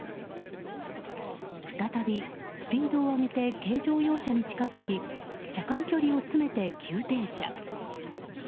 再び、スピードを上げて軽乗用車に近づき車間距離を詰めて急停車。